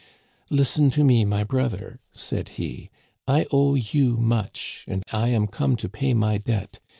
"* Listen to me, my brother,' said he. * I owe you much, and 1 am come to pay my debt.